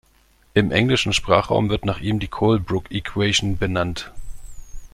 Im englischen Sprachraum wird nach ihm die "Colebrook equation" benannt.